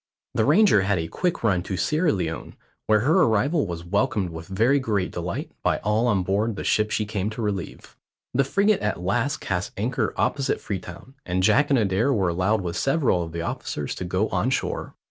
The Ranger had a quick run to Sierra Leone, where her arrival was welcomed with very great delight by all on board the ship she came to relieve. The frigate at last cast anchor opposite Freetown, and Jack and Adair were allowed with several of the officers to go on shore.